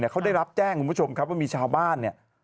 เขาได้รับแจ้งคุณผู้ชมครับว่ามีชาวบ้านเนี่ย